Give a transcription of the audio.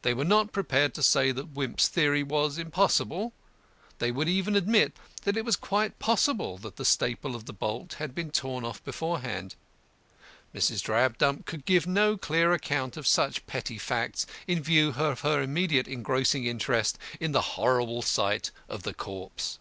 They were not prepared to say that Wimp's theory was impossible; they would even admit it was quite possible that the staple of the bolt had been torn off beforehand. Mrs. Drabdump could give no clear account of such petty facts in view of her immediate engrossing interest in the horrible sight of the corpse.